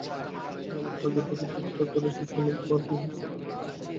মনে হয় আগে থেকে ঠিকঠাক করে এসেছে এবং অনেক বার রিহার্সেল দিয়েছে।